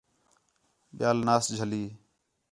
ٻِیال ناس جھلی